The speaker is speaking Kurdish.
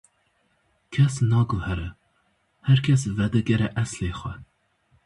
Kes naguhere, her kes vedigere eslê xwe.